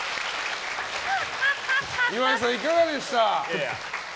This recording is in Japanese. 岩井さん、いかがでした？